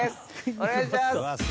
お願いします！